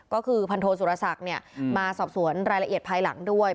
ก็คือพันโทสุรศักดิ์มาสอบสวนรายละเอียดภายหลังด้วย